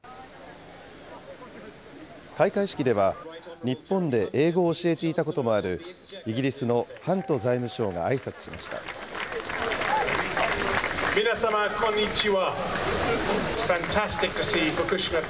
開会式では日本で英語を教えていたこともあるイギリスのハント財皆様こんにちは。